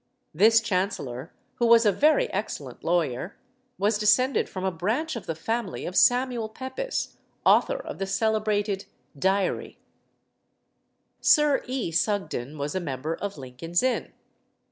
This Chancellor, who was a very excellent lawyer, was descended from a branch of the family of Samuel Pepys, author of the celebrated Diary. Sir E. Sugden was a member of Lincoln's Inn.